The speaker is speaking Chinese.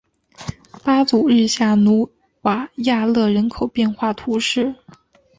巴祖日下努瓦亚勒人口变化图示